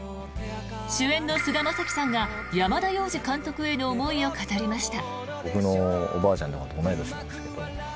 主演の菅田将暉さんが山田洋次監督への思いを語りました。